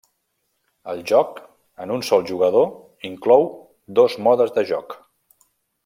El joc en un sol jugador inclou dos modes de joc.